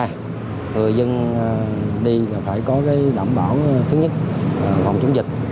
người dân đi là phải có cái đảm bảo thứ nhất là phòng chống dịch